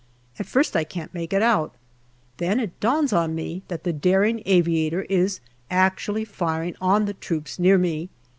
At first I can't make it out. Then it dawns on me that the daring aviator is actually firing on the troops near me.